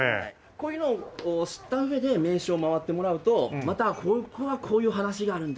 こういうのを知った上で名所を回ってもらうとまた「ここはこういう話があるんだ」とか。